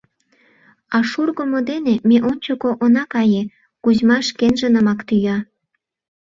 А шургымо дене ме ончыко она кае, — Кузьма шкенжынымак тӱя.